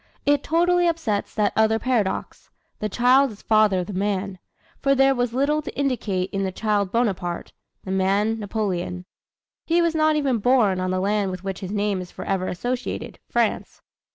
It totally upsets that other paradox, "The child is father of the man," for there was little to indicate in the child Bonaparte, the man Napoleon. He was not even born on the land with which his name is forever associated, France.